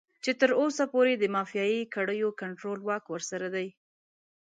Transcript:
چې تر اوسه پورې د مافيايي کړيو کنټرول واک ورسره دی.